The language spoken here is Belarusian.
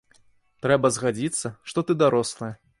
Трэба згадзіцца, што ты дарослая.